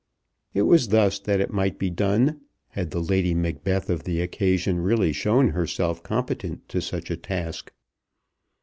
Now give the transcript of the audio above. It was thus that it might be done, had the Lady Macbeth of the occasion really shown herself competent to such a task.